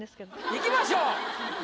いきましょう。